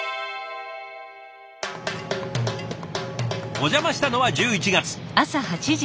お邪魔したのは１１月。